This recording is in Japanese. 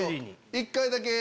１回だけ。